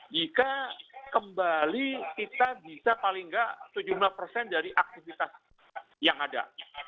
jika kembali kita bisa paling nggak tujuh belas persen dari aktivitas yang ada